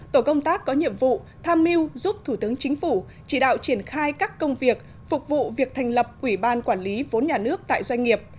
tổ công tác có nhiệm vụ tham mưu giúp thủ tướng chính phủ chỉ đạo triển khai các công việc phục vụ việc thành lập quỹ ban quản lý vốn nhà nước tại doanh nghiệp